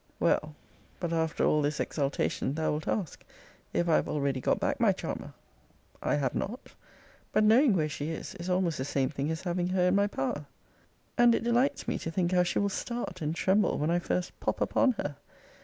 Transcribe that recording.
Well, but after al this exultation, thou wilt ask, If I have already got back my charmer? I have not; But knowing where she is, is almost the same thing as having her in my power. And it delights me to think how she will start and tremble when I first pop upon her!